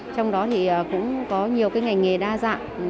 trong đó thì cũng có nhiều cái ngành nghề đa dạng